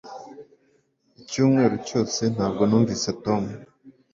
Icyumweru cyose ntabwo numvise Tom